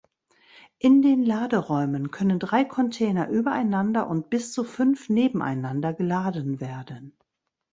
In den Laderäumen können drei Container übereinander und bis zu fünf nebeneinander geladen werden.